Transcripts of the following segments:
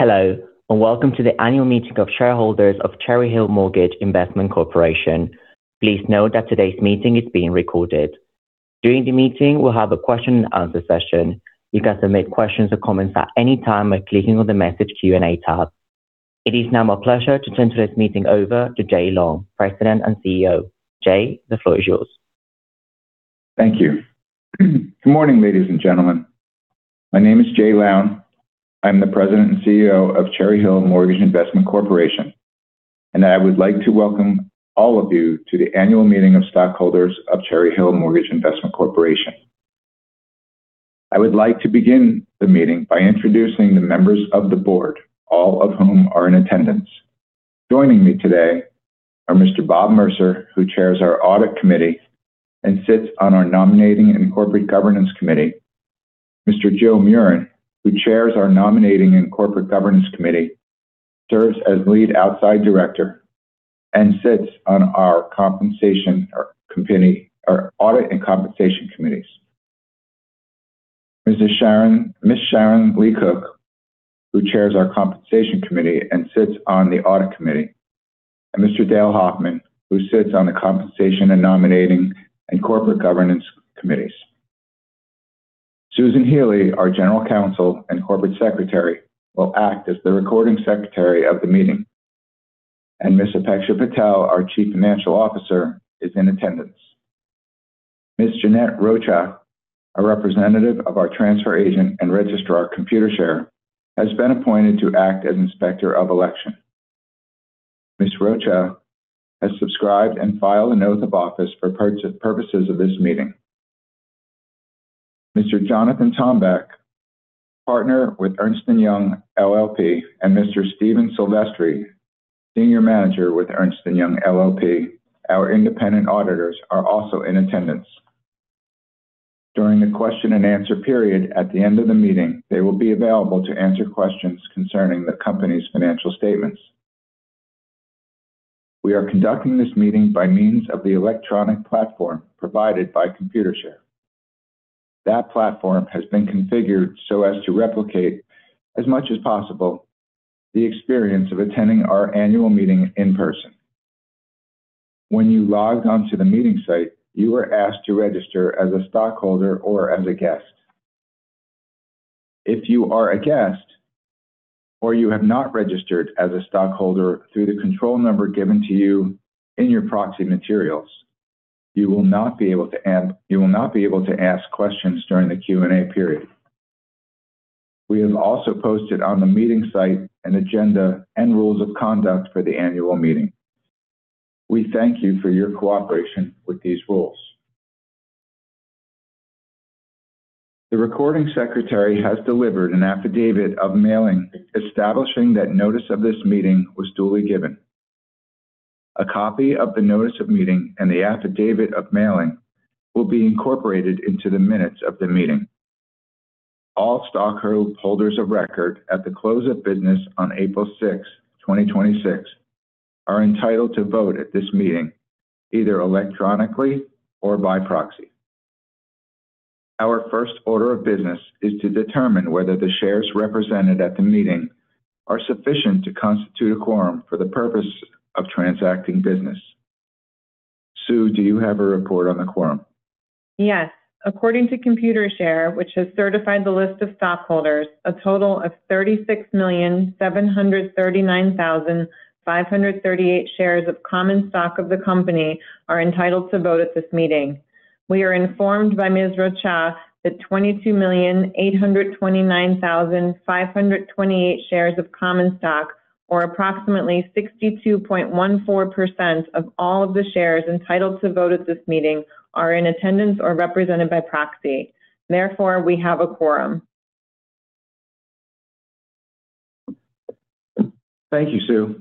Hello, welcome to the Annual Meeting of shareholders of Cherry Hill Mortgage Investment Corporation. Please note that today's meeting is being recorded. During the meeting, we'll have a question-and-answer session. You can submit questions or comments at any time by clicking on the Message Q&A tab. It is now my pleasure to turn today's meeting over to Jay Lown, President and CEO. Jay, the floor is yours. Thank you. Good morning, ladies and gentlemen. My name is Jay Lown. I'm the President and CEO of Cherry Hill Mortgage Investment Corporation. I would like to welcome all of you to the Annual Meeting of Stockholders of Cherry Hill Mortgage Investment Corporation. I would like to begin the meeting by introducing the members of the Board, all of whom are in attendance. Joining me today are Mr. Bob Mercer, who chairs our Audit Committee and sits on our Nominating and Corporate Governance Committee. Mr. Joe Murin, who chairs our Nominating and Corporate Governance Committee, serves as Lead Outside Director, and sits on our Audit and Compensation Committees. Ms. Sharon Lee Cook, who chairs our Compensation Committee and sits on the Audit Committee. Mr. Dale Hoffman, who sits on the Compensation and Nominating and Corporate Governance Committees. Susan Healey, our General Counsel and Corporate Secretary, will act as the recording secretary of the meeting. Mr. Apeksha Patel, our Chief Financial Officer, is in attendance. Ms. Jeanette Rocha, a representative of our transfer agent and registrar Computershare, has been appointed to act as Inspector of Election. Ms. Rocha has subscribed and filed a note of office for purposes of this meeting. Mr. Jonathan Tomback, Partner with Ernst & Young LLP, and Mr. Steven Silvestri, Senior Manager with Ernst & Young LLP, our independent auditors, are also in attendance. During the question and answer period at the end of the meeting, they will be available to answer questions concerning the company's financial statements. We are conducting this meeting by means of the electronic platform provided by Computershare. That platform has been configured so as to replicate as much as possible the experience of attending our annual meeting in person. When you logged onto the meeting site, you were asked to register as a stockholder or as a guest. If you are a guest or you have not registered as a stockholder through the control number given to you in your proxy materials, you will not be able to ask questions during the Q&A period. We have also posted on the meeting site an agenda and rules of conduct for the annual meeting. We thank you for your cooperation with these rules. The recording secretary has delivered an affidavit of mailing establishing that notice of this meeting was duly given. A copy of the notice of meeting and the affidavit of mailing will be incorporated into the minutes of the meeting. All stockholders of record at the close of business on April 6th, 2026, are entitled to vote at this meeting, either electronically or by proxy. Our first order of business is to determine whether the shares represented at the meeting are sufficient to constitute a quorum for the purpose of transacting business. Sue, do you have a report on the quorum? Yes. According to Computershare, which has certified the list of stockholders, a total of 36,739,538 shares of common stock of the company are entitled to vote at this meeting. We are informed by Ms. Rocha that 22,829,528 shares of common stock, or approximately 62.14% of all of the shares entitled to vote at this meeting are in attendance or represented by proxy. Therefore, we have a quorum. Thank you, Sue.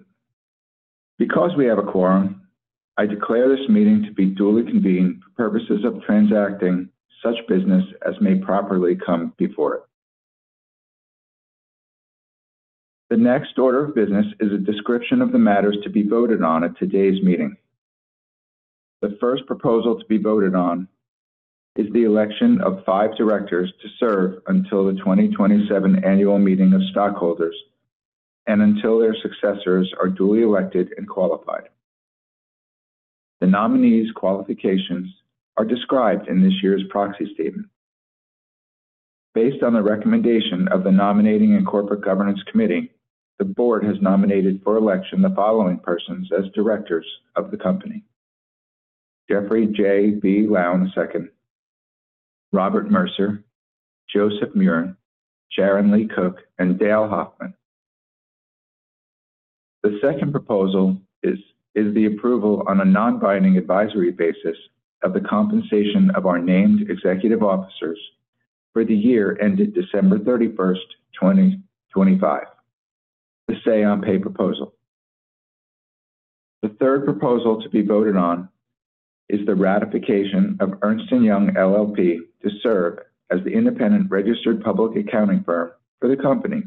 Because we have a quorum, I declare this meeting to be duly convened for purposes of transacting such business as may properly come before it. The next order of business is a description of the matters to be voted on at today's meeting. The first proposal to be voted on is the election of five Directors to serve until the 2027 Annual Meeting of Stockholders and until their successors are duly elected and qualified. The nominees' qualifications are described in this year's proxy statement. Based on the recommendation of the nominating and corporate governance committee, the Board has nominated for election the following persons as Directors of the company: Jeffrey Jay B. Lown II, Robert Mercer, Joseph Murin, Sharon Lee Cook, and Dale Hoffman. The second proposal is the approval on a non-binding advisory basis of the compensation of our named Executive Officers for the year ended December 31st, 2025. The say-on-pay proposal. The third proposal to be voted on is the ratification of Ernst & Young LLP to serve as the independent registered public accounting firm for the company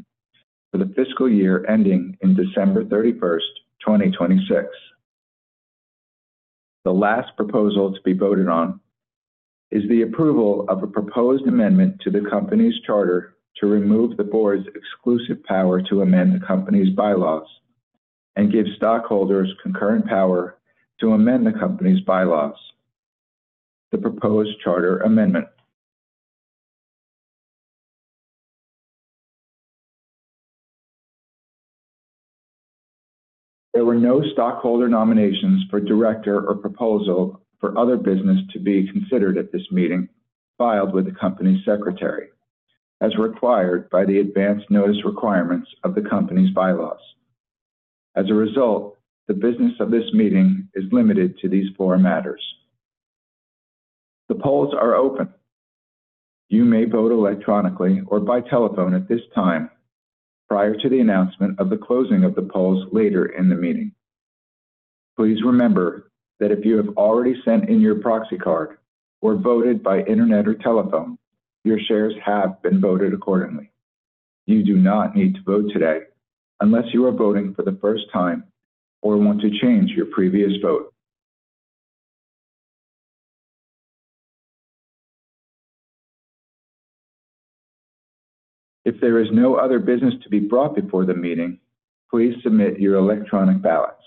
for the fiscal year ending in December 31st, 2026. The last proposal to be voted on is the approval of a proposed amendment to the company's charter to remove the Board's exclusive power to amend the company's bylaws and give stockholders concurrent power to amend the company's bylaws, the proposed charter amendment. There were no stockholder nominations for Director or proposal for other business to be considered at this meeting filed with the company's secretary, as required by the advance notice requirements of the company's bylaws. As a result, the business of this meeting is limited to these four matters. The polls are open. You may vote electronically or by telephone at this time, prior to the announcement of the closing of the polls later in the meeting. Please remember that if you have already sent in your proxy card or voted by internet or telephone, your shares have been voted accordingly. You do not need to vote today unless you are voting for the first time or want to change your previous vote. If there is no other business to be brought before the meeting, please submit your electronic ballots.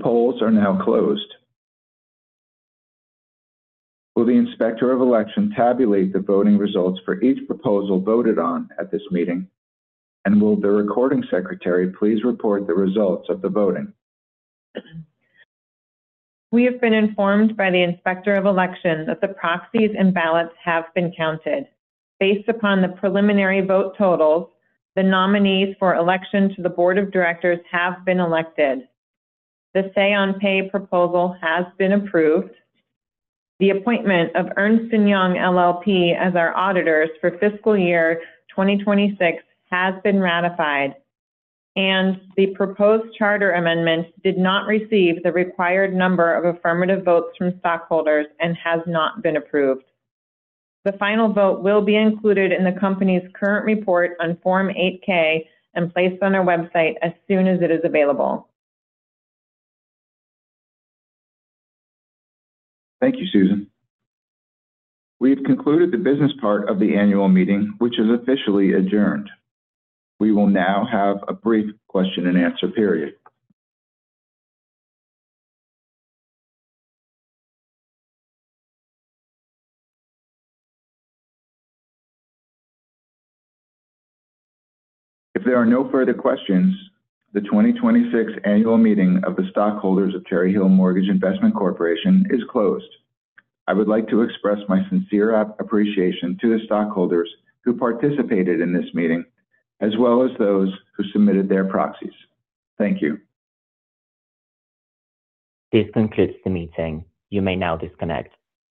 The polls are now closed. Will the Inspector of Election tabulate the voting results for each proposal voted on at this meeting? Will the Recording Secretary please report the results of the voting? We have been informed by the Inspector of Election that the proxies and ballots have been counted. Based upon the preliminary vote totals, the nominees for election to the Board of Directors have been elected. The say- on-pay proposal has been approved. The appointment of Ernst & Young LLP as our auditors for fiscal year 2026 has been ratified, and the proposed charter amendments did not receive the required number of affirmative votes from stockholders and has not been approved. The final vote will be included in the company's current report on Form 8-K and placed on our website as soon as it is available. Thank you, Susan. We have concluded the business part of the Annual Meeting, which is officially adjourned. We will now have a brief question-and-answer period. If there are no further questions, the 2026 annual meeting of the stockholders of Cherry Hill Mortgage Investment Corporation is closed. I would like to express my sincere appreciation to the stockholders who participated in this meeting, as well as those who submitted their proxies. Thank you. This concludes the meeting. You may now disconnect.